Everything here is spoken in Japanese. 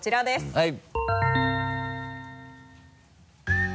はい。